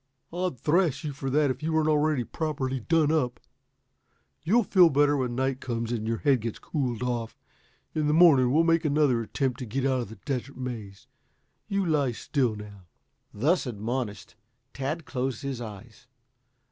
I'd thrash you for that if you weren't already properly done up. You'll feel better when night comes and your head gets cooled off. In the morning we'll make another attempt to get out of the Desert Maze. You lie still, now." Thus admonished, Tad closed his eyes.